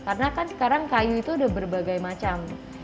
karena kan sekarang kayu itu udah berbagai macam